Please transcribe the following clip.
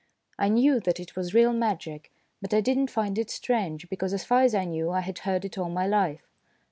I knew that it was real magic, but I did not find it strange, because as far as I knew I had heard it all my life.